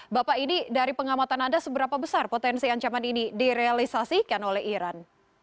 bapak ini dari pengamatan anda seberapa besar potensi ancaman ini direalisasikan oleh iran